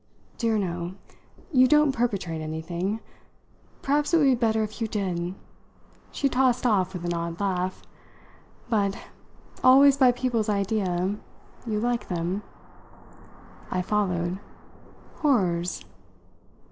"Dear no you don't perpetrate anything. Perhaps it would be better if you did!" she tossed off with an odd laugh. "But always by people's idea you like them." I followed. "Horrors?"